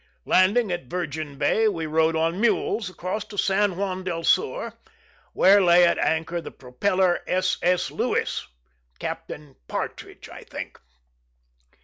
Landing at Virgin Bay, we rode on mules across to San Juan del Sur, where lay at anchor the propeller S. S. Lewis (Captain Partridge, I think).